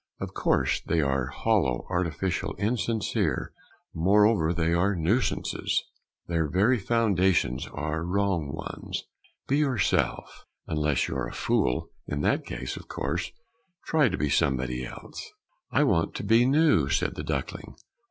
Of course they are hollow, artificial, insincere; moreover they are nuisances. Their very foundations are wrong ones. Be yourself unless you're a fool; in that case, of course, try to be somebody else. "I want to be new," said the duckling.